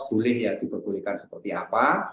boleh ya diperbolehkan seperti apa